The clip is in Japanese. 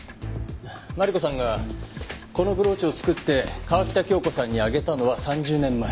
マリコさんがこのブローチを作って川喜多京子さんにあげたのは３０年前。